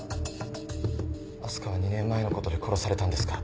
明日香は２年前の事で殺されたんですか？